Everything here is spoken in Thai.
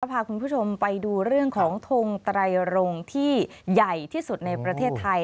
พาคุณผู้ชมไปดูเรื่องของทงไตรรงค์ที่ใหญ่ที่สุดในประเทศไทย